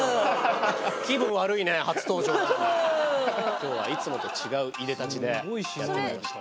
今日はいつもと違ういでたちでやってまいりました。